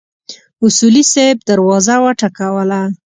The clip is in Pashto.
اصولي صیب دروازه وټکوله.